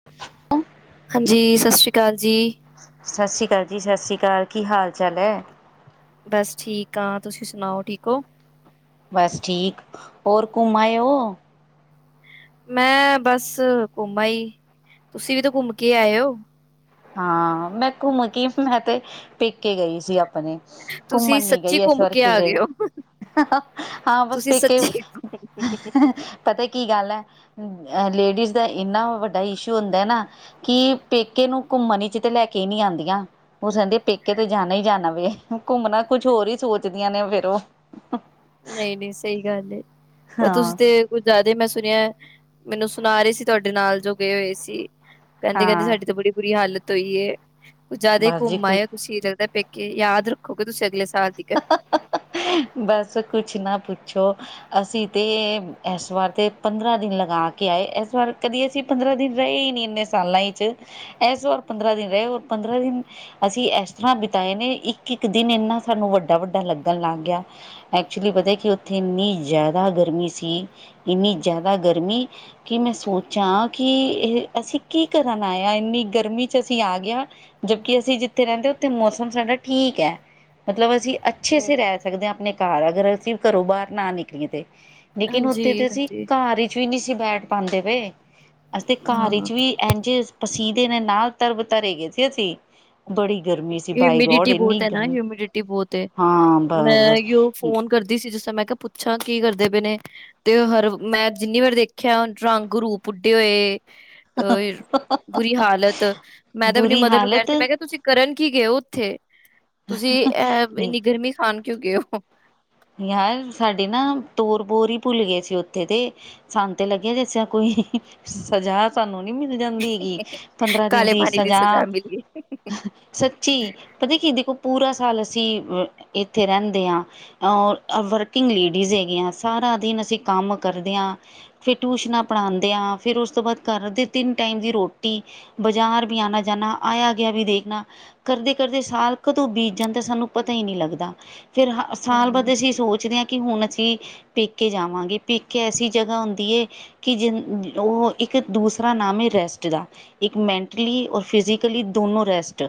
[unintelligible] ਹਾਂਜੀ, ਸਸੀ ਕਾਲ ਜੀ। ਸਾਸੀ ਕਾਲ ਜੀ ਸਾਸੀ ਕਾਲ, ਕੀ ਹਾਲ ਚਾਲ ਐ? ਬਸ ਠੀਕ ਆਂ, ਤੁਸੀ ਸੁਨਾਓ ਠੀਕ ਓ? ਬਸ ਠੀਕ, ਹੋਰ ਘੁੰਮ ਆਏ ਓ? ਮੈਂ- ਬਸ ਘੁੰਮ ਆਈ, ਤੁਸੀਂ ਵੀ ਤੇ ਘੁੰਮ ਕੇ ਆਏ ਓ। ਹਾਂ, ਮੈਂ ਘੁੰਮ ਕੇ ਫੀ ਮੈਂ ਤੇ ਪੇਕੇ ਗਈ ਸੀ ਆਪਨੇ। ਤੁਸੀਂ ਘੁੱਮਨ ਨੀ ਗਈ ਸੱਚੀ ਏਸ ਘੁੰਮ ਵਾਰ ਕੇ ਆ ਗਏ ਕਿਦਰੇੇ। ਹੋ, ਹਾਂ, ਬਸ ਤੁਸੀਂ ਪੇਕੇ ਸੱਚੀ ਪਤਾ ਕੀ ਗੱਲ ਐ, ਅ ਲੇੜੀਜ਼ ਦਾ ਇੰਨਾ ਵੱਡਾ ਇਸ਼ੂ ਹੁੰਦਾ ਨਾ ਕਿ, ਪੇਕੇ ਨੂੰ ਘੁੰਮਨੀ ਚ ਤੇ ਲੈ ਕੇ ਈ ਨੀ ਆਂਦੀਆਂ। ਓ ਸਾਡੇ ਪੇਕੇ ਤੇ ਜਾਨਾ ਈ ਜਾਨਾ ਵੇ, ਘੁੰਮਨਾ ਕੁਛ ਹੋਰ ਈ ਸੋਚਦੀਆਂ ਨੇ ਫੇਰ ਓ। [unintelligible] ਨਈ, ਨਈ, ਸਈ ਗੱਲ ਏ ਪਰ ਤੁਸੀਂ ਹਾਂ ਤੇ ਕੁ ਜਾਦਾ ਈ ਮੈਂ ਸੁਨੇਆ, ਮੈਨੂੰ ਸੁਨਾ ਰੇ ਸੀ ਤੁਆਡੇ ਨਾਲ ਜੋ ਗਏ ਹੋਏ ਸੀ। ਕੈਂਦੇ, ਕੈਂਦੇ ਹਾਂ ਸਾਡੀ ਤਾਂ ਬੜੀ ਬੁਰੀ ਹਾਲਤ ਹੋਈ ਏ ਜਾਦਾ ਈ ਬਸ ਜੀ ਘੁੰਮ ਕੁ ਆਏ ਓ ਤੂਸੀ। ਪੇਕੇ ਯਾਦ ਰੱਖੋਗੇ ਤੁਸੀਂ ਅਗਲੇ ਸਾਲ ਤੀਕਨ ਬਸ ਕੁਛ ਨਾ ਪੁੱਛੋ ਅਸੀਂ ਤੇ ਏ ਏਸ ਵਾਰ ਤੇ ਪੰਦਰਾਂ ਦਿਨ ਲਗਾਂ ਕੇ ਆਏ, ਏਸ ਵਾਰ ਕਦੀ ਅਸੀਂ ਪੰਦਰਾਂ ਦਿਨ ਰਈ, ਨੀ ਇੰਨੇ ਸਾਲਾਂ ਈ ਚ ਐਸ ਵਾਰ ਪੰਦਰਾਂ ਦਿਨ ਰਏ ਓ ਪੰਦਰਾਂ ਦਿਨ, ਅਸੀ ਐਸ ਤਰਾਂ ਬਿਤਾਏ ਨੇ ਇੱਕ ਇੱਕ ਦਿਨ ਏਨਾਂ ਸਾਨੂੰ ਵੱਡਾ, ਵੱਡਾ ਲੱਗਨ ਲੱਗ ਗਿਆ ਐਕਚੁਲੀ ਪਤਾ ਕਿ ਓਥੇ ਇਨੀਂ ਜਾਦਾ ਗਰਮੀ ਸੀ, ਇੰਨੀ ਜਾਦਾ ਗਰਮੀ ਕਿ ਮੇ ਸੋਚਾਂ ਕਿ, ਐਹ ਅਸੀ ਕੀ ਕਰਨ ਆਏ ਆਂ ਇੰਨੀ ਗਰਮੀ ਚ ਅਸੀਂ ਆ ਗੇਆਂ ਜਬਕੀ ਅਸੀ ਜਿੱਥੇ ਰੈਂਦੇ ਓਥੇ ਮੋਸਮ ਸਾਡਾ ਠੀਕ ਐ। ਮਤਲਬ ਅਸੀਂ ਅੱਛੇ ਹਮ, ਸੇ ਰੈ ਸਕਦੇ ਆਂ ਆਪਨੇ ਘਾਰ, ਅਗਰ ਅਸੀਂ ਘਰੋਂ ਬਾਰ ਨਾ ਨਿਕਲੀਏਂ ਤੇ। ਲੇਕਿਨ ਹਾਂਜੀ ਉੱਥੇ ਤਾਂ ਅਸੀਂ ਹਾਂਜੀ, ਘਰ ਵਿਚ ਵੀ ਨਹੀਂ ਸੀ ਬੈਠ ਪਾਉਂਦੇ ਪਏ ਅਸੀਂ ਤੇ ਘਰ ਹਾਂ ਵਿਚ ਵੀ ਇਝੇ ਪਸੀਦੇ ਨੇ ਨਾਲ ਤਰਬ ਤਰੇ ਗਏ ਸੀੇ ਅਸੀਂ ਬੜੀ ਗਰਮੀ ਸੀ ਬਾਈਗੋਡ ਇੰਨੀ ਨਾ ਗਰਮੀ ਹੂਮਿਡ ਟੀ ਬਹੁਤ ਹੈ ਹਾਂ ਬਸ ਮੈਂ ਬਸ ਇਓ ਫੋਨ ਕਰਦੀ ਸੀ ਜਿਸ ਤਰ੍ਹਾਂ ਮੈਂ ਕਿਹਾ ਪੁੱਛਾਂ ਕੀ ਕਰਦੇ ਪ ਨੇ ਤੇ ਹਰ ਮੈਂ ਜਿੰਨੀ ਵਾਰ ਦੇਖਿਆ ਰੰਗ ਰੂਪ ਉੱਡੇ ਹੋਏ ਅ ਬੁਰੀ ਹਾਲਤ ਮੈਂ ਤਾਂ ਆਪਣੀ ਬੁਰੀ ਮਦਰ ਨੂੰ ਹਾਲਤ ਕਹਿ ਮੈਂ ਕਿਹਾ ਤੁਸੀਂ ਕਰਨ ਕੀ ਗਏ ਹੋ ਉੱਥੇ ਤੁਸੀਂ ਅਹ ਇੰਨੀ ਗਰਮੀ ਖਾਨ ਕਿਉਂ ਗਏ ਹੋ। ਯਾਰ ਸਾਡੇ ਨਾ ਤੋਰ ਬੋਰ ਹੀ ਭੁੱਲ ਗਏ ਸੀ ਉੱਥੇ ਤੇ ਸਾਨੂੰ ਤੇ ਲੱਗਿਆ ਜਿਸ ਤਰ੍ਹਾਂ ਕੋਈ ਸਜਾ ਸਾਨੂੰ ਨੀ ਮਿਲ ਜਾਂਦੀਗੀ ਪੰਦਰਾਂ ਦਿਨ ਕਾਲੇ ਦੀ ਪਾਣੀ ਸਜ਼ਾ ਮਿਲੀ ਸੱਚੀ, ਪਤਾ ਕੀ ਦੇਖੋ ਪੂਰਾ ਸਾਲ ਅਸੀ ਏਥੇ ਰੈਂਦੇ ਆਂ। ਓਰ ਐ ਵਰਕਿੰਗ ਲੇੜੀਜ਼ ਹੈਗੀਆਂ, ਸਾਰਾ ਦਿਨ ਅਸੀਂ ਕੰਮ ਕਰਦੇ ਆਂ ਫਿਰ ਟੂਸ਼ਨਾਂ ਪੜ੍ਹਾਂਦੇਆਂ, ਫਿਰ ਉਸ ਤੋਂ ਬਾਦ ਘਰ ਦੇ ਤਿੰਨ ਟਾਈਮ ਦੀ ਰੋਟੀ ਬਜਾਰ ਵੀ ਆਨਾ ਜਾਨਾ ਆਏਆ ਗੇਆ ਵੀ ਦੇਖਨਾ ਕਰਦੇ, ਕਰਦੇ ਸਾਲ ਕਦੋਂ ਬੀਤ ਜਾਂਦਾ ਸਾਨੂੰ ਪਤਾ ਈ ਨੀ ਲੱਗਦਾ, ਫੇਰ ਹਾ ਸਾਲ ਵੱਧ ਹਮ ਅਸੀਂ ਸੋਚਦੇ ਹਾਂ ਕਿ ਹੁਣ ਅਸੀਂ ਪੇਕੇ ਜਾਵਾਂਗੇ ਪੇਕੇ ਐਸੀ ਜਗ੍ਹਾ ਹੁੰਦੀ ਹੈ। ਕਿ ਜਿ ਉਹ ਇੱਕ ਦੂਸਰਾ ਨਾਮ ਹੈ ਰੈਸਟ ਦਾ ਇੱਕ ਮੈਂਟਲੀ ਔਰ ਫਿਜ਼ਕਲੀ ਦੋਨੋ ਰੈਸਟ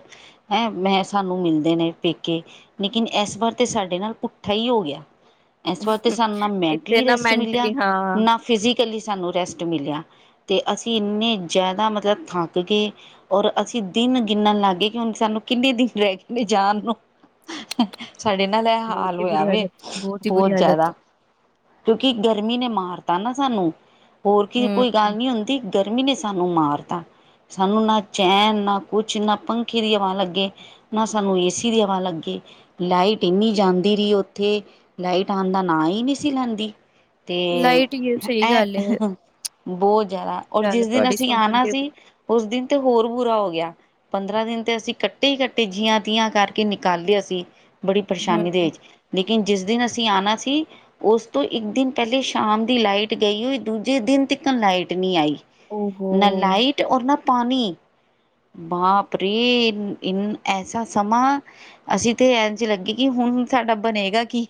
ਹੈਂ ਮੈਂ ਸਾਨੂੰ ਮਿਲਦੇ ਨੇ ਪੇਕੇ ਲੇਕਿਨ ਇਸ ਵਾਰ ਤਾਂ ਸਾਡੇ ਨਾਲ ਪੁੱਠਾ ਹੀ ਹੋ ਗਿਆ ਇਸ ਵਾਰਤੇ ਸਾਨੂੰ ਨਾ ਇੱਥੇ ਮੈਂਟਲੀ ਨਾ ਰੈਸਟ ਮਿਲਿਆ ਮੈਂਟਲੀ ਹਾਂ ਨਾ ਫੀ ਫਿਜ਼ੀਕਲੀ ਸਾਨੂੰ ਰੈਸਟ ਮਿਲਿਆ ਅਤੇ ਅਸੀਂ ਇੰਨੇ ਜ਼ਿਆਦਾ ਮਤਲਬ ਥੱਕ ਗਏ। ਔਰ ਅਸੀਂ ਦਿਨ ਗਿਣਣ ਲੱਗ ਗਏ ਕਿ ਹੁਣ ਸਾਨੂੰ ਕਿੰਨੇ ਦਿਨ ਰਹਿ ਗਏ ਨੇ ਜਾਣ ਨੂੰ ਸਾਡੇ ਨਾਲ ਇਹ ਬਹੁਤ ਹਾਲ ਹੀ ਹੋਇਆ ਬੁਰੀ ਵੇ ਹਾਲਤ ਹੀ ਬੁਰੀ ਬਹੁਤ ਹਾਲਤ ਜ਼ਿਆਦਾ ਕਿਉਂਕਿ ਗਰਮੀ ਨੇ ਮਾਰਤਾ ਨਾ ਸਾਨੂੰ ਹੋਰ ਕੀ ਕੋਈ ਗੱਲ ਹਮ ਨਹੀਂ ਹੁੰਦੀ। ਗਰਮੀ ਨੇ ਸਾਨੂੰ ਮਾਰਤਾ ਸਾਨੂੰ ਨਾ ਚੈਨ ਨਾ ਕੁਛ ਨਾ ਪੰਖੇ ਦੀ ਹਵਾ ਲੱਗੇ ਨਾ ਸਾਨੂੰ ਏ ਸੀ ਦੀ ਹਵਾ ਲੱਗੇ ਲਾਈਟ ਇੰਨੀ ਜਾਂਦੀ। ਦੀਰੀ ਉੱਥੇ ਲਾਈਟ ਆਉਂਦਾ ਨਾ ਹੀ ਨਹੀਂ ਸੀ ਲੈਂਦੀ। ਤੇ, ਲਾਈਟ ਹੀ ਸਹੀ ਗੱਲ ਹੈ ਇਹ ਬਹੁਤ ਜ਼ਿਆਦਾ। ਔਰ ਗੱਲ ਜਿਸ ਦਿਨ, ਤੁਹਾਡੀ ਅਸੀਂ ਸੁਣ ਸੁਣ ਆਉਣਾ ਕੇ ਸੀ। ਉਸ ਦਿਨ ਤੇ, ਹੋਰ ਬੁਰਾ ਹੋ ਗਿਆ। ਪੰਦਰਾਂ ਦਿਨ ਤਾਂ ਅਸੀਂ ਕੱਟੇ ਹੀ ਕੱਟੇ ਜੀਆਂ ਤੀਆਂ ਕਰਕੇ ਨਿਕਾਲਦੇ ਅਸੀਂ ਬੜੀ ਪਰੇਸ਼ਾਨੀ ਦੇ ਹਮ ਵਿੱਚ ਲੇਕਿਨ ਜਿਸ ਦਿਨ ਅਸੀਂ ਆਉਣਾ ਸੀ। ਉਸ ਤੋਂ ਇੱਕ ਦਿਨ ਪਹਿਲੇ ਸ਼ਾਮ ਦੀ ਲਾਈਟ ਗਈ ਹੋਈ ਦੂਜੇ ਦਿਨ ਤਨ ਲਾਈਟ ਨਹੀਂ ਆਈ ਨਾ ਓਹੋ ਲਾਈਟ ਔਰ ਨਾ ਪਾਣੀ ਬਾਪਰੇ ਇਨ ਐਸਾ ਸਮਾਂ ਅਸੀਂ ਤੇ ਐਨ ਚ ਲੱਗੇ ਕਿ ਹੁਣ ਸਾਡਾ ਬਣੇਗਾ ਕੀ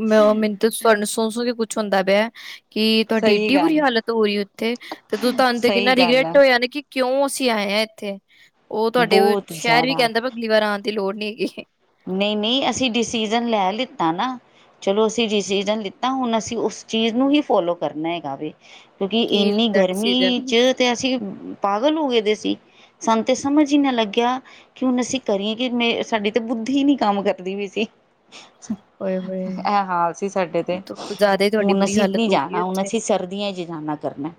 ਮੈਨੂੰ ਤੁਹਾਡੇ ਸੁਣ ਸੁਣ ਕੇ ਕੁਛ ਹੁੰਦਾ ਪਿਆ ਕਿ ਤੁਹਾਡੀ ਸਹੀ ਏਡੀ ਬੁਰੀ ਗੱਲ ਹਾਲਤ ਹੋ ਰਹੀ ਉੱਥੇ ਤੇ ਤੂੰ ਤੁਹਾਨੂੰ ਤੇ ਸਹੀ ਕਿੰਨਾ ਗੱਲ ਰਿਗਰੈਟ ਆ ਹੋਇਆ ਨਾ ਕਿ ਕਿਉਂ ਅਸੀਂ ਆਏ ਹਾਂ, ਇੱਥੇ? ਉਹ, ਤੁਹਾਡੇ ਬਹੁਤ ਸ਼ਹਿਰ ਵੀ ਜ਼ਿਆਦਾ ਕਹਿੰਦਾ, ਅਗਲੀ ਵਾਰ ਆਉਣ ਦੀ, ਲੋੜ ਨਹੀਂ ਹੈਗੀ। ਨਹੀਂ- ਨਹੀਂ, ਅਸੀਂ ਡਿਸੀਜ਼ਨ, ਲੈ ਲਿੱਤਾ ਨਾ। ਚਲੋ, ਅਸੀਂ ਡਿਸੀਜ਼ਨ ਲਿੱਤਾ। ਹੁਣ ਅਸੀਂ, ਉਸ ਚੀਜ਼ ਨੂੰ ਹੀ, ਫੋਲੋ ਕਰਨਾ ਹੈਗਾ ਵੀ। ਕਿਉਂਕਿ, ਕੀ ਇੰਨੀ ਲਿੱਤਾ ਗਰਮੀ ਡਿਸੀਜ਼ਨ। ਚ, ਤੇ ਅਸੀਂ ਪਾਗਲ ਹੋ, ਗਏ ਦੇ ਸੀ। ਸਾਨੂੰ ਤੇ, ਸਮਝ ਹੀ ਨਾ ਲੱਗਿਆ। ਕਿ ਹੁਣ ਅਸੀਂ ਕਰੀਏ ਕਿ, ਮੇ ਸਾਡੀ। ਤੇ ਬੁੱਧੀ, ਨੀ ਕੰਮ ਕਰਦੀ ਪਈ ਸੀ। ਓਏ-ਹੋਏ ਇਹ ਹਾਲ ਸੀ ਸਾਡੇ ਤੇ। ਕੁਝ ਜ਼ਿਆਦਾ ਹੀ ਤੁਹਾਡੀ ਹੁਣ ਬੁਰੀ ਅਸੀਂ, ਹਾਲਤ ਨੀ ਹੋ ਗਈ ਜਾਣਾ। ਹੁਣ ਉੱਥੇ। ਅਸੀਂ, ਸਰਦੀਆਂ ਚ ਜਾਣਾ। ਕਰਨਾ।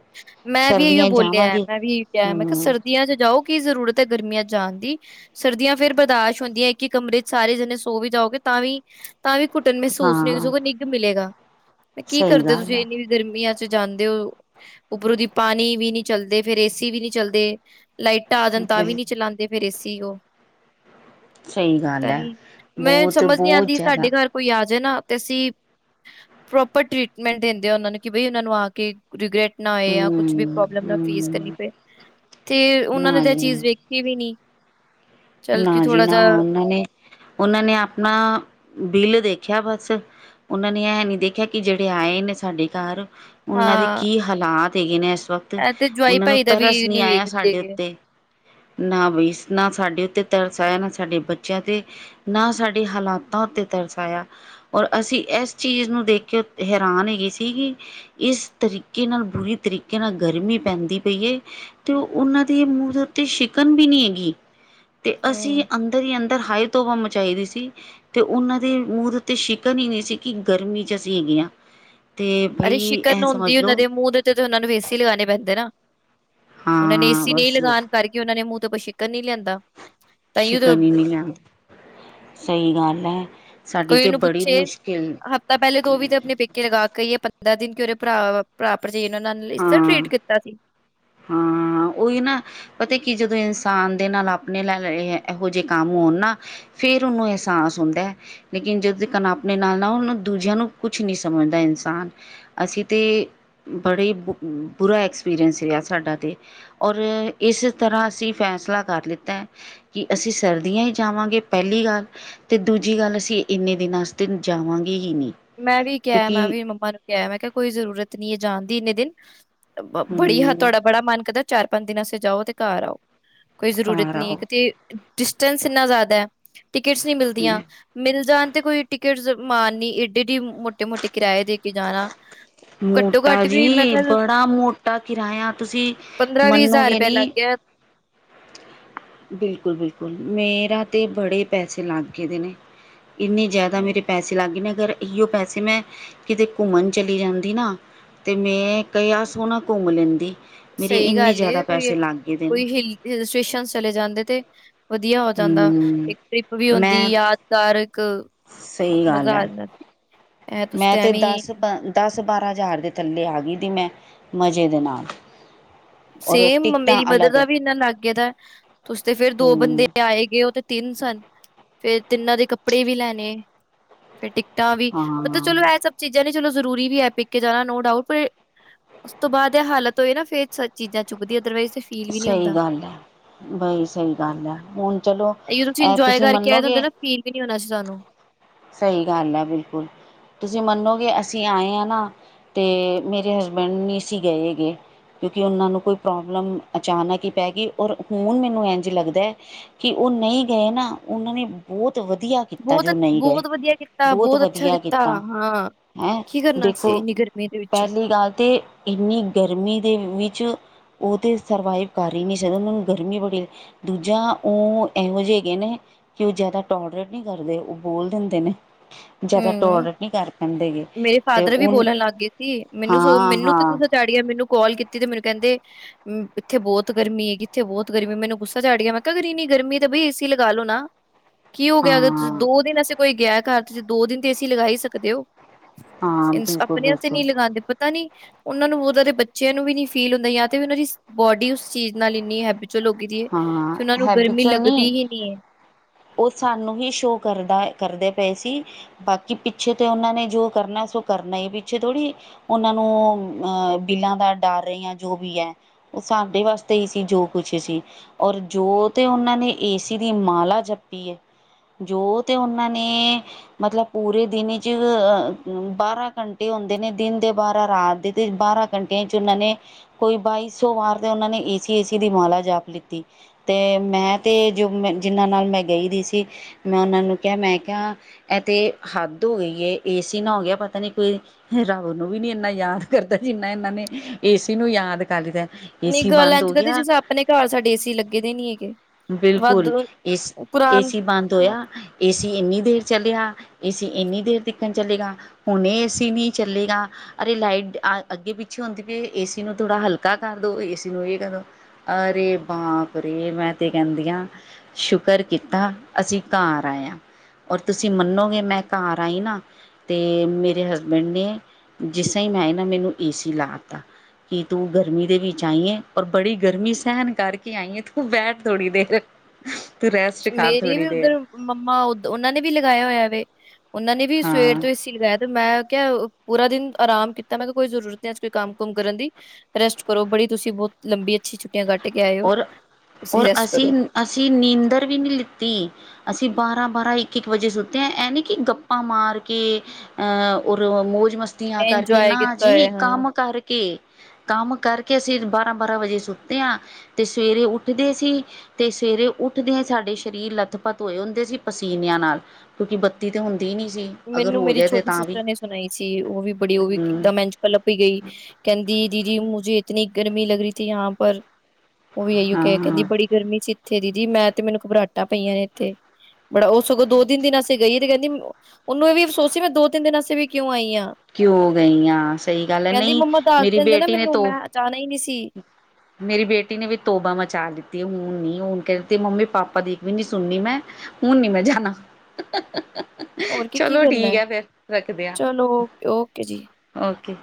ਮੈਂ ਵੀ ਇਹੀ ਸਰਦੀਆਂ 'ਚ ਬੋਲਿਆ। ਜਾਵਾਂਗੇ ਮੈਂ ਵੀ ਇਹੀ ਕਿਹਾ। ਮੈਂ ਕਿਹਾ, ਹਮ ਸਰਦੀਆਂ ਚ ਜਾਓ, ਕੀ ਜ਼ਰੂਰਤ ਹੈ ਗਰਮੀਆਂ ਜਾਣ ਦੀ। ਸਰਦੀਆਂ ਫੇਰ, ਬਰਦਾਸ਼ਤ ਹੁੰਦੀਆਂ, ਇੱਕ ਹੀ ਕਮਰੇ ਚ, ਸਾਰੇ ਜਨੇ ਸੋ ਵੀ, ਜਾਓਗੇ ਤਾਂ ਵੀ ਤਾਂ ਵੀ ਘੁੱਟਣ, ਮਹਿਸੂਸ ਨਹੀਂ ਹੋਏਗੀ। ਹਾਂ ਸਗੋ ਨਿੱਘ ਮਿਲੇਗਾ। ਕੀ ਸਹੀ ਕਰਦੇ ਗੱਲ ਤੁਸੀਂ? ਹੈ ਇੰਨੀ ਗਰਮੀਆਂ ਚ ਜਾਂਦੇ ਹੋ? ਉਪਰੋਂ ਦੀ ਪਾਣੀ ਵੀ ਨੀ ਚੱਲਦੇ। ਫੇਰ ਏਸੀ ਵੀ, ਨਹੀਂ ਚੱਲਦੇ। ਲਾਈਟ ਟਾ ਦਿਨ ਤਾਂ, ਵੀ ਬਿਲ ਨਹੀਂ ਚਲਾਉਂਦੇ, ਫੇਰ ਇਸ ਸੀ। ਨੂੰ ਸਹੀ ਗੱਲ ਤਾਂ ਹੈ ਹੀਂ, ਮੈਂ ਬਹੁਤ ਸਮਝ ਨੀ ਬਹੁਤ ਆਉਂਦੀ। ਜ਼ਿਆਦਾ ਸਾਡੇ ਘਰ ਕੋਈ ਆ ਜਾਇ ਨਾ, ਤੇ ਅਸੀਂ ਪ੍ਰੋਪਰ ਟੀਟਮੈਂਟ ਦਿੰਦੇ ਹਾਂ। ਉਹਨਾਂ ਨੂੰ ਕਿ, ਬਈ ਉਹਨਾਂ ਨੂੰ ਆ ਕੇ ਰਿਗਰੈਟ ਨਾ ਹੋਏ। ਜਾਂ ਕੁਛ ਵੀ ਹੂੰ ਪ੍ਰੋਬਲਮ ਨਾ ਫੇਸ ਕਰਨੀ ਹੂੰ ਪਏ। ਤੇ ਉਹਨਾਂ ਨੇ, ਨਾ ਜੀ ਤਾਂ ਨਾ ਚੀਜ਼ ਵਖ ਕਿ, ਵੀ, ਨੀ। ਚੱਲ ਕਿ ਨਾ ਜੀ ਥੋੜਾ ਨਾ। ਜਿਹਾ ਉਹਨਾਂ ਨੇ, ਉਹਨਾਂ ਨੇ ਆਪਣਾ ਬਿਲ ਦੇਖਿਆ ਬਸ, ਉਹਨਾਂ ਨੇ ਇਹ ਨੀ ਦੇਖਿਆ ਕਿ, ਜਿਹੜੇ ਆਏ ਨੇ ਸਾਡੇ ਘਰ। ਉਹਨਾਂ ਦੇ ਹਾਂ ਕੀ ਹਾਲਾਤ, ਹੈਗੇ ਨੇ ਇਸ ਵਕਤ। ਇਹ ਤੇ ਜਵਾਈ ਉਹਨਾਂ ਨੂੰ, ਭਾਈ ਦਾ ਵੀ ਤਰਸ ਨਹੀਂ ਨੀ ਆਇਆ ਵੇਖਦੇ ਸਾਡੇ ਗੇ ਉੱਤੇ। ਨਾ ਬਈ, ਨਾ ਸਾਡੇ ਤੇ ਤਰਸ ਆਇਇਆ ਨਾ, ਸਾਡੇ ਬੱਚਿਆਂ ਤੇ। ਨਾ ਸਾਡੇ ਹਾਲਾਤਾਂ ਤੇ, ਤਰਸ ਆਾਇਆ। ਔਰ, ਅਸੀਂ ਇਸ ਚੀਜ਼ ਨੂੰ ਦੇਖ ਕੇ, ਹੈਰਾਨ, ਹੈਗੀ ਸੀਗੀ। ਇਸ ਤਰੀਕੇ ਨਾਲ, ਬੁਰੀ ਤਰੀਕੇ ਨਾਲ, ਗਰਮੀ ਪੈਂਦੀ ਪਈ ਹੈ। ਤੇ ਉਹ ਉਹਨਾਂ ਦੇ, ਮੂੰਹ ਦੇ ਉੱਤੇ, ਛਿਕਣ ਵੀ ਨੀ ਹੈਗੀ। ਤੇ ਅਸੀਂ, ਹਮ ਅੰਦਰ ਹੀ ਅੰਦਰ, ਹਾਈ ਤੋਂਵਾ ਮਚਾਦੀ ਹੋਏ ਸੀ। ਤੇ ਉਹਨਾਂ ਦੇ ਮੂੰਹ ਦੇ ਉੱਤੇ, ਸ਼ਿਕਨ ਹੀ ਨਹੀਂ ਸੀ। ਕਿ ਗਰਮੀ, ਚ ਅਸੀਂ ਹੈਗੇ ਹਾਂ। ਤੇ ਅਰੇ ਬਈ ਸ਼ਿਕਰਨ ਇਹ ਸਮਝ ਹੁੰਦੀ ਏ। ਉਹਨਾਂ ਲਓ ਦੇ ਮੂੰਹ ਦੇ ਉਹਨਾਂ ਨੂੰ ਵੀ, ਏਸੀ ਲਗਾਉਣੇ ਪੈਂਦੇ ਨਾ। ਉਹਨਾਂ ਨੇ ਹਾਂ ਏਸੀ ਨਹੀਂ ਬਸ ਲਗਾਉਣ ਕਰਕੇ। ਕਿ ਉਹਨਾਂ ਨੇ, ਮੂੰਹ ਤੇ ਕੋਈ, ਸਿਕਰ ਨੀ ਲਿਆਂਦਾ। ਤਾਂਹੀਓ ਤੇ ਸ਼ਿਕਣ ਹੀ ਨਹੀਂਿਲਦਾ। ਸਹੀ ਗੱਲ ਹੈ। ਸਾਡੀ ਕੋਈ ਤੇ ਉਹਨੂੰ ਬੜੀ ਪੁੱਛੇ। ਮੁਸ਼ਕਿਲ ਹਫ਼ਤਾ ਪਹਿਲੇ ਉਹ ਵੀ ਤੇ, ਆਪਣੇ ਪੇਕੇ ਕਿ ਲਗਾ ਕੇ ਆਈਏ ਪੰਦਰਾਂ ਦਿਨ, ਕੇ ਉਹਦੇ ਭਰਾ-ਭਰਾ ਭਰਜੀਾਈ, ਨੇ ਉਹਨਾਂ ਨਾਲ, ਇਸ ਤਰਾਂ ਹਾਂ ਟਰੀਟ ਕੀਤਾ ਸੀ। ਹਾਂ। ਉਹੀ ਨਾ। ਪਤਾ ਕਿ, ਜਦੋਂ ਇਨਸਾਨ ਦੇ ਨਾਲ, ਆਪਣੇ ਨਾਲ, ਇਹੋ ਜਿਹੇ ਕੰਮ ਹੋਣ ਨਾ। ਫੇਰ ਉਹਨੂੰ, ਇਹਸਸ ਹੁੰਦਾ ਹੈ। ਲੇਕਿਨ ਜਦੋਂ ਤਕ, ਕਪਣੇ ਨਾਲ ਨਾ ਹੁਣ। ਉਹ ਦੂਜਿਆਂ ਨੂੰ, ਕੁਛ ਨਹੀਂ ਸਮਝਦਾ, ਇਨਸਾਨ। ਅਸੀਂ ਤੇ, ਬੜਾ ਹੀ, ਬੁਰਾ ਐਕਸਪੀਰੀਅੰਸ ਰਿਹਾ ਸੀ। ਸਾਡਾ ਤੇ, ਔਰ ਇਸ ਤਰਾਂ, ਅਸੀਂ ਫੈਸਲਾ ਕਰ ਲਿੱਤਾ ਏ। ਕਿ ਅਸੀਂ ਸਰਦੀਆਂ ਹੀ ਜਾਵਾਂਗੇ ਪਹਿਲੀ ਗੱਲ। ਤੇ ਦੂਜੀ ਗੱਲ ਅਸੀਂ ਇੰਨੇ ਦਿਨਾਂ ਵਾਸਤੇ ਜਾਵਾਂਗੇ ਹੀ ਨਹੀਂ। ਮੈਂ ਵੀ ਕਿਹਾ। ਮੈਂ ਕਿਉਂਕਿ ਵੀ ਮੰਮਾ ਨੂੰ, ਕਿਹਾ। ਮੈਂ ਕਿਹਾ ਕੋਈ ਜ਼ਰੂਰਤ ਨਹੀਂ ਹੈ। ਜਾਣ ਦੀ ਇੰਨੇ ਦਿਨ। ਬੜੀ ਹ ਹਮ ਤੁਹਾਡਾ ਬੜਾ ਮਨ ਕਰਦਾ, ਚਾਰ, ਪੰਜ ਦਿਨ ਅਸਤੇ ਜਾਓ, ਤੇ ਘਰ ਆਓ। ਕੋਈ ਜ਼ਰੂਰਤ ਘਰ ਨੀ ਕਿਤੇ। ਡਿਸਟੈਂਸ ਇੰਨਾ ਜ਼ਿਆਦਾ ਹੈ, ਟਿਕਟਸ ਨੀ ਮਿਲਦੀਆਂ। ਮਿਲ ਜਾਣ ਤੇ ਕੋਈ, ਟਿਕਟ ਮਾਨ ਨੀ ਏਡੀ-ਏਡੀ, ਮੋਟੇ-ਮੋਟੇ, ਕਿਰਾਏ ਦੇ ਕੇ ਜਾਣਾ। ਘੱਟੋ ਮੋਟਾ ਘੱਟ ਵੀ ਮੈਂ ਜੀ। ਕਿਹਾ ਬੜਾ ਮੋਟਾ, ਕਿਰਾਇਆ ਤੁਸੀਂ ਪੰਦਰਾਂ ਵੀਹ ਹਜ਼ਾਰ ਮੰਨੂੰਗੇ ਰੁਪਇਆ ਲੱਗ ਨੀ ਗਿਆ ਬਿਲਕੁਲ-ਬਿਲਕੁਲ, ਮੇਰਾ ਤੇ ਬੜੇ ਪੈਸੇ, ਲੱਗ ਗਏ ਦੇ ਨੇ। ਇੰਨੇ ਜ਼ਿਆਦਾ, ਹਮ, ਮੇਰੇ ਪੈਸੇ ਲੱਗ ਗਏ ਨੇ, ਅਗਰ ਈਓ ਪੈਸੇ ਮੈਂ, ਕਿਤੇ ਘੁੰਮਣ ਚਲੀ ਜਾਂਦੀ। ਦੀ ਨਾ, ਤੇ ਮੈਂ ਕਿਹਾ ਸੋਹਣਾ ਘੁੰਮ ਲੈਂਦੇ। ਮੇਰੇ ਸਹੀ ਇੰਨੇ ਗੱਲ ਜ਼ਿਆਦਾ ਏ ਕੋਈ ਪੈਸੇ ਲੱਗ ਗਏ ਦੇ ਨੇ। ਕੋਈ ਹਿਲ ਹਿਲ ਸਟੇਸ਼ਨ ਚਲੇ ਜਾਂਦੇ ਤੇ ਵਧੀਆ ਹੋ ਜਾਂਦਾ ਹੂੰ ਇੱਕ ਟ੍ਰਿਪ ਵੀ ਹੁੰਦੀ ਮੈਂ ਯਾਦ ਗਾਰ ਇੱਕ ਸਹੀ ਗੱਲ ਮਜ਼ਾ ਆ ਹੈ ਜਾਂਦਾ। ਐ ਤੁਸੀਂ ਮੈਂ ਤੇ ਐਵੇਂ ਦਸ-ਦਸ ਬਾਰਾਂ ਹਜ਼ਾਰ ਦੇ ਥੱਲੇ ਆ ਗਈ ਸੀ ਮੈਂ ਮਜ਼ੇ ਦੇ ਨਾਲ। ਔਰ ਸੇਮ ਟਿਕਟਾਂ ਮੇਰੀ ਮਦਰ ਅਲੱਗ ਦਾ ਵੀ ਇਨਾ ਲੱਗ ਗਿਆ ਦਾ। ਤੁਸੀ ਤੇ ਫੇਰ ਦੋ ਹੂੰ ਬੰਦੇ ਆਏ ਗਏ ਉਹ ਤੇ ਤਿੰਨ ਸਨ। ਫੇਰ ਤਿੰਨਾਂ ਦੇ ਕੱਪੜੇ ਵੀ ਲੈਣੇ, ਫੇਰ ਟਿਕਟਾਂ ਵੀ ਮਤਲਬ ਹਾਂ ਚਲੋ ਇਹ ਸਭ ਚੀਜ਼ਾਂ ਨੇ ਚਲੋ ਜਰੂਰੀ ਵੀ ਹੈ ਪੀ ਕੇ ਜਾਣਾ ਨੋ ਡਾਊਟ ਪਰ ਉਸ ਤੋਂ ਬਾਅਦ ਇਹ ਹਾਲਤ ਹੋਏ ਨਾ ਫ਼ਿਰ ਚੀਜ਼ਾਂ ਚੁਭਦੀ ਅਦਰਵਾਈਜ਼ ਤੇ ਫੀਲ ਵੀ ਨੀ ਸਹੀ ਹੁੰਦਾ ਗੱਲ ਹੈ, ਬਈ ਸਹੀ ਗੱਲ ਹੈ ਹੁਣ ਚਲੋ ਇਹੀਓ ਇਹ ਇੰਜੋਏ ਤੁਸੀਂ ਕਰਕੇ ਆਏ ਮੰਨੋਗੇ ਹੁੰਦੇ ਨਾ ਫੀਲ ਵੀ ਨੀ ਹੋਣਾ ਸੀ ਸਾਨੂੰ। ਸਹੀ ਗੱਲ ਆ ਬਿਲਕੁਲ। ਤੁਸੀਂ ਮੰਨੋਗੇ ਅਸੀਂ ਆਏ ਹਾਂ ਨਾ ਤੇ ਮੇਰੇ ਹਸਬੈਂਡ ਨਹੀਂ ਸੀਂ ਗਏ ਹੈਗੇ। ਕਿਉਂਕਿ ਉਹਨਾਂ ਨੂੰ ਕੋਈ ਪ੍ਰੋਬਲਮ ਅਚਾਨਕ ਹੀ ਪੈ ਗਈ ਔਰ ਹੁਣ ਮੈਨੂੰ ਇੰਝ ਲੱਗਦਾ ਕਿ ਉਹ ਨਹੀਂ ਗਏ ਨਾ ਉਹਨਾਂ ਨੇ ਬਹੁਤ ਵਧੀਆ ਕੀਤਾ ਬਹੁਤ ਜੋ ਨਹੀਂ ਗਏ ਬਹੁਤ ਵਧੀਆ ਕੀਤਾ ਬਹੁਤ ਅੱਛਾ ਕੀਤਾ ਹਾਂ ਕੀ ਕਰਨਾ ਸੀ ਇੰਨੀ ਗਰਮੀ ਦੇ ਵਿੱਚ। ਦੀ ਗੱਲ ਤਾਂ ਇੰਨੀ ਗਰਮੀ ਦੇ ਵਿੱਚ ਉਹ ਤਾਂ ਸਰਵਾਈਵ ਕਰ ਹੀ ਨਹੀਂ ਸਕਦੇ ਉਹਨਾਂ ਨੂੰ ਗਰਮੀ ਬੜੀ ਦੂਜਾ ਉਹ ਇਹੋ ਜਿਹੇ ਹੈਗੇ ਨੇ, ਕਿ ਉਹ ਜ਼ਿਆਦਾ ਟੋਲਰੇਟ ਨਹੀਂ ਕਰਦੇ ਉਹ ਬੋਲ ਦਿੰਦੇ ਨੇ। ਜ਼ਿਆਦਾ ਹੂੰ ਟੋਲਰੇਟ ਨਹੀਂ ਕਰ ਪੈਂਦੇਗੇ ਮੇਰੇ ਤੇ ਫਾਦਰ ਵੀ ਹੁਣ ਬੋਲਣ ਲੱਗ ਗਏ ਸੀ ਮੈਨੂੰ ਸੋ ਹਾਂ ਮੈਨੂੰ ਤੇ ਹਾਂ। ਗੁੱਸਾ ਚੜ ਮੈਨੂੰ ਕਾਲ ਕੀਤੀ ਤੇ ਮੈਨੂੰ ਕਹਿੰਦੇ ਇੱਥੇ ਬਹੁਤ ਗਰਮੀ ਹੈ ਕਿੱਥੇ ਬਹੁਤ ਗਰਮੀ ਮੈਂਨੂੰ ਗੁੱਸਾ ਚੜ ਗਿਆ ਮੈਂ ਕਿਹਾ ਅਗਰ ਇੰਨੀ ਗਰਮੀ ਤੇ ਬਈ ਏਸੀ ਲਗਾ ਲੋ ਨਾ। [inaudible] ਕੀ ਹੋ ਗਿਆ ਅਗਰਂ ਹਾਂ ਦੋ ਦਿਨ ਅਸੀਂ ਕੋਈ ਗਿਆ ਘਰ ਚ ਦੋ ਦਿਨ ਤੇ ਏ ਸੀਂ ਲਗਾ ਹੀ ਸਕਦੇ ਹੋ। ਹਾਂ ਬਿਲਕੁਲ ਆਪਣੇ ਉੱਤੇ ਬਿਲਕੁਲ ਨਹੀਂ ਲਗਾਉਂਦੇ ਪਰ ਤਾ ਨੀ ਉਹਨਾਂ ਨੂੰ ਉਹਨਾਂ ਦੇ ਬੱਚਿਆਂ ਨੂੰ ਵੀ ਨੀ ਫੀਲ ਹੁੰਦਾ ਜਾਂ ਤੇ ਉਹਨਾਂ ਦੀ ਬੋਡੀ ਉਸ ਚੀਜ਼ ਨਾਲ ਇੰਨੀ ਹੈ ਜੋ ਲੋਗੀ ਦੀ ਹੈ ਹਾਂ ਤੇ ਉਹਨਾਂ ਨੂੰ ਗਰਮੀ ਹੈਬੀਚੁਅਲ ਲੱਗਦੀ ਹੀ ਨਹੀਂ ਏ। ਉਹ ਸਾਨੂੰ ਵੀ ਸ਼ੋਅ ਕਰਦਾ ਕਰਦੇ ਪਏ ਸੀ ਬਾਕੀ ਪਿੱਛੇ ਤੇ ਉਹਨਾਂ ਨੇ ਜੋ ਕਰਨਾ ਸੀ ਉਹ ਕਰਨਾ ਪਿੱਛੇ ਥੋੜ੍ਹੀ ਉਹਨਾਂ ਨੂੰ ਅਹ ਬਿੱਲਾਂ ਦਾ ਡਰ ਰਹੇ ਆ ਜੋ ਵੀ ਹੈ। ਉਹ ਸਾਡੇ ਵਾਸਤੇ ਹੀ ਸੀ ਜੋ ਕੁਛ ਸੀ। ਔਰ ਜੋ ਤੇ ਉਹਨਾਂ ਨੇ ਏ ਸੀ ਦੀ ਮਾਲਾ ਜਪੀ ਏ ਜੋ ਤੇ ਉਹਨਾਂ ਨੇ ਮਤਲਬ ਪੂਰੇ ਦਿਨ 'ਚ ਅਹ ਬਾਰਾਂ ਘੰਟੇ ਹੁੰਦੇ ਨੇ ਦਿਨ ਦੇ ਬਾਰਾਂ ਰਾਤ ਦੇ ਤੇ ਬਾਰਾਂ ਘੰਟਿਆਂ 'ਚ ਉਹਨਾਂ ਨੇ ਕੋਈ ਬਾਈ ਸੌ ਵਾਰ ਤੇ ਉਹਨਾਂ ਨੇ ਏ ਸੀ ਏਸੀ ਦੀ ਮਾਲਾ ਜ ਲੀ। ਕੀਤੀ ਤੇ ਮੈਂ ਤੇ ਜੋ ਮੈਂ ਜਿਹਨਾਂ ਨਾਲ ਮੈਂ ਗਈ ਦੀ ਸੀ। ਮੈਂ ਉਹਨਾਂ ਨੂੰ ਕਿਹਾ ਮੈਂ ਕਿਹਾ ਇਹ ਤੇ ਹੱਦ ਹੋ ਗਈ ਏ ਏਸੀ ਨਾ ਹੋ ਗਿਆ ਪਤਾ ਨੀ ਕੋਈ [unintelligible] ਨੂੰ ਵੀ ਨੀ ਇੰਨਾ ਯਾਦ ਕਰਦਾ ਜਿੰਨਾ ਇਹਨਾਂ ਨੇ ਏੇ ਸੀ ਨੂੰ ਯਾਦ ਕਰ ਲਤਾ ਨਹੀਂ ਗੱਲ ਇੰ ਕਦੇ ਜੇ ਆਪਣੇ ਘਰ ਸਾਡੇ ਏ ਸੀ ਲੱਗੇ ਦੇ ਨੀ ਹੈਗੇ ਬਿਲਕੁਲ ਵਾਧੂ ਏ ਸੀ ਏ ਪੁਰਾਣ ਸੀ ਬੰਦ ਹੋਇਆ ਏ ਸੀ ਇੰਨੀ ਦੇਰ ਚੱਲਿਆ, ਏ ਸੀ ਇੰਨੀ ਦੇਰ ਤੀਕਰ ਚੱਲੇਗਾ। ਹੁਣੇ ਅਸੀਂ ਨੀ ਚੱਲੇਗਾ। ਅਰੇ ਲਾਈਟ ਆ ਅੱਗੇ-ਪਿੱਛੇ ਹੁੰਦੀ ਪਈ ਏ ਸੀ ਨੂੰ ਥੋੜਾ ਹਲਕਾ ਕਰ ਦੋ ਏਸੀ ਨੂੰ ਇਹ ਕਰੋ। ਅਰੇ ਬਾਪ ਰੇ ਮੈਂ ਤੇ ਕਹਿੰਦੀ ਆ ਸ਼ੁਕਰ ਕੀਤਾ ਅਸੀਂ ਘਰ ਆਏ ਆ। ਔਰ ਤੁਸੀਂ ਮੰਨੋਗੇ ਮੈਂ ਘਰ ਆਈ ਨਾ ਤੇ ਮੇਰੇ ਹਸਬੈਂਡ ਨੇ ਜਿਸ ਤਰ੍ਹਾਂ ਹੀ ਮੈਂ ਨਾ ਮੈਨੂੰ ਏ ਸੀ ਲਾ ਤਾ। ਕਿ ਤੂੰ ਗਰਮੀ ਦੇ ਵਿੱਚ ਆਈ ਏ ਔਰ ਬੜੀ ਗਰਮੀ ਸਹਿਣ ਕਰਕੇ ਆਈ ਹੈ ਤੂੰ ਬੈਠ ਥੋੜੀ ਦੇਰ ਤੂੰ ਰੈਸਟ ਕਰ ਮੇਰੀ ਥੋੜੀ ਵੀ ਦੇਰ ਉੱਧਰ ਮੰਮਾ ਉਦ ਉਹਨਾਂ ਨੇ ਵੀ ਲਗਾਇਆ ਹੋਇਆ ਵ ਉਹਨਾ ਨੇ ਵੀ ਹਾਂ ਸਵੇਰ ਤੋਂ ਇਸ ਸੀ ਲਗਾਇਆ ਤੇ ਮੈਂ ਕਿਹਾ ਪੂਰਾ ਦਿਨ ਆਰਾਮ ਕੀਤਾ ਮੈਂ ਕਿਹਾ ਕੋਈ ਜ਼ਰੂਰਤ ਨ ਅੱਜ ਕੋਈ ਕੰਮ ਕੁਮ ਕਰਨ ਦੀ ਰੈਸਟ ਕਰੋ ਬੜੀ ਤੁਸੀਂ ਬਹੁਤ ਲੰਬੀ ਅੱਛੀ ਛੁੱਟੀਆਂ ਕੱਟ ਕੇ ਆਏ ਹੋ ਔਰ ਤੁਸੀਂ ਔਰ ਰੈਸਟ ਅਸੀਂ ਕਰੋ ਅਸੀਂ ਨੀਂਦਰ ਵੀ ਨਹੀਂ ਲਿੱਤੀ ਅਸੀਂ ਬਾਰਾਂ ਬਾਰਾਂ ਇੱਕ ਇੱਕ ਵਜੇ ਸੁੱਤੇ ਆ ਇਹਨ ਕਿ ਗੱਪਾਂ ਮਾਰ ਕੇ ਅਹ ਰ ਮ ਮੌਜ ਮਸਤੀਆਂ ਕਰਕੇ ਇੰਜੋਏ ਨਾ ਕੀਤਾ ਜੀ ਹੋਇਆ ਹਾਂ ਕੰਮ ਕਰਕੇ ਕੇ ਕੰਮ ਕਰਕੇ ਅਸੀਂ ਬਾਰਾਂ ਬਾਰਾਂ ਵਜੇ ਸੁੱਤੇ ਹ ਤੇ ਸਵੇਰੇ ਉੱਠਦੇ ਸੀ ਤੇ ਸਵੇਰੇ ਉੱਠਦਿਆਂ ਸਾਡੇ ਸਰੀਰ ਲੱਥਪੱਥ ਹੋਏ ਹੁੰਦੇ ਸੀ ਪਸੀਨਿਆਂ ਨਾਲ ਕਿਉਂਕਿ ਬੱਤੀ ਤੇ ਹੁੰਦੀ ਨੀ ਸੀ। ਅਗਰ ਮੈਨੂੰ ਹੋ ਮੇਰੀ ਜਾਏ ਤੇ ਛੋਟੀ ਤਾਂ ਵੀ ਸਿਸਟਰ ਨੇ ਸੁਣਾਈ ਸੀ। ਉਹ ਵੀ ਬੜੀ ਉਹ ਵੀ [unintelligible] ਹਮ [unintelligible] ਪੀ ਗਈ। ਕਹਿੰਦੀ-ਦੀਦੀ ਮੁਝੇ ਇਤਨੀ ਗਰਮੀ ਲਗ ਰਹੀ ਥੀ ਯਾਂ ਪਰ ਉਹ ਵੀ ਇਓ ਹਾਂ ਕ ਕਹਿੰਦੀ ਹਾਂ ਬੜੀ ਗਰਮੀ ਸੀ। ਇੱਥੇ ਦੀਦੀ ਮੈਂ ਤੇ ਮੈਨੂੰ ਘਬਰਾਹਟਾਂ ਪਈਆਂ ਨੇ ਇੱਥੇ ਬੜਾ ਉਹ ਸਗੋਂ ਦੋ, ਤਿੰਨ ਦਿਨ ਅਸੀਂ ਗਈ ਤੇ ਕਹਿੰਦੀ- ਉਹਨੂੰ ਇਹ ਵੀ ਅਫਸੋਸ ਸੀ ਮੈਂ ਦੋ ਤਿੰਨ ਦਿਨ ਅਸੀਂ ਵੀ ਕਿਉਂ ਆਈ ਆਂ। ਕਿਉਂ ਗਈ ਹਾਂ। ਸਹੀ ਗੱਲ ਹੈ, ਨਹੀਂ ਮੰਮਾ ਦੱਸ ਮੇਰੀ ਦਿੰਦੇ ਨਾ ਬੇਟੀ ਨੇ ਮੈਨੂੰ ਤੋ ਮੈਂ ਜਾਣਾ ਹੀ ਨਹੀਂ ਸੀ ਮੇਰੀ ਬੇਟੀ ਨੇ ਵੀ ਤੋਬਾ ਮਚਾ ਲਤੀ ਹੁਣ ਨੀ ਹੁਣ ਕਹਿ ਦਿੱਤੀ ਮੰਮੀ, ਪਾਪਾ ਦੀ ਵੀ ਨੀ ਸੁਣਨੀ ਮੈਂ ਹੁਣ ਨੀ ਮੈਂ ਹੋਰ ਕੀ ਕੀ ਜਾਣਾ--ਚਲੋ ਕਰਨਾ ਠੀਕ ਹੈ। ਆ ਫੇਿਰ ਰੱਖਦੇ ਆ। ਚਲੋ ਓਕੇ ਜੀ। ਓਕੇ।